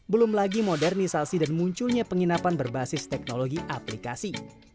belum lagi modernisasi dan munculnya penginapan berbasis teknologi aplikasi